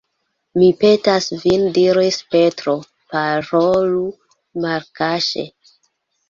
Mi petas vin diris Petro, parolu malkaŝe.